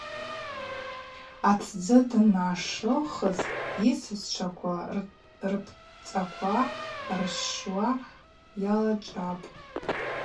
Атдзы дъанашылхыз йысасчваква рпцӏаква рщщуа йалачӏвапӏ.